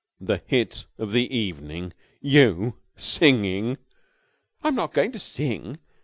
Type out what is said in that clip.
"The hit of the evening! You! Singing!" "I'm not going to sing.